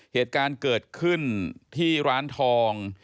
เหตุการณ์เกิดขึ้นที่ร้านทอง